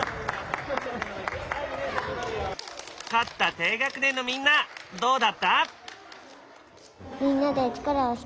勝った低学年のみんなどうだった？